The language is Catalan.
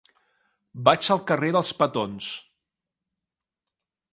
Vaig al carrer dels Petons.